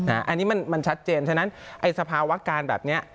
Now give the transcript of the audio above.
อันนี้มันชัดเจนฉะนั้นไอ้สภาวะการแบบนี้